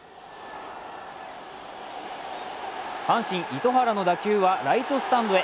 阪神・糸原の打球はライトスタンドへ。